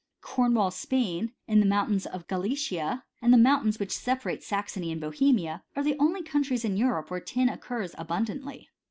Cornwall, Spain, in the mountains of Gal licia, and the mountains which separate Saxony and Bohemia, are the only countries in Europe where tin ^ occurs abundantly.